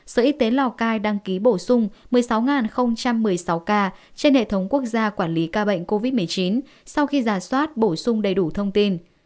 sở y tế lào cai đăng ký bổ sung một mươi sáu một mươi sáu ca trên hệ thống quốc gia quản lý ca bệnh covid một mươi chín sau khi giả soát bổ sung đầy đủ thông tin